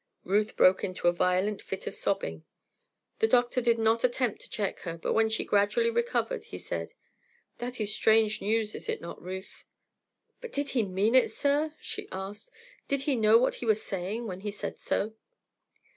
Ruth broke into a violent fit of sobbing. The doctor did not attempt to check her, but when she gradually recovered he said, "That is strange news, is it not, Ruth?" "But did he mean it, sir?" she asked. "Did he know what he was saying when he said so?"